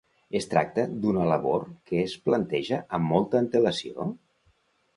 Es tracta d'una labor que es planteja amb molta antelació?